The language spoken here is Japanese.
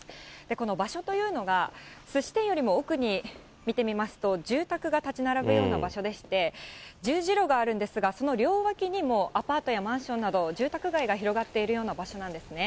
この場所というのが、すし店よりも奥に、見てみますと、住宅が建ち並ぶような場所でして、十字路があるんですが、その両脇にもアパートやマンションなど、住宅街が広がっているような場所なんですね。